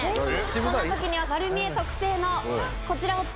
こんな時には『まる見え！』特製のこちらを使ってください。